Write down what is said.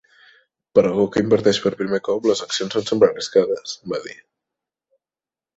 "Per algú que inverteix per primer cop, les accions sempre són arriscades", va dir.